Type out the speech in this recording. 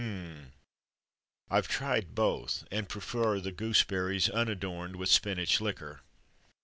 H'm. I've tried both, and prefer the gooseberries unadorned with spinach liquor.